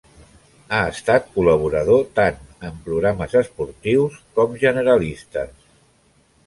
Ha estat col·laborador tant en programes esportius com generalistes.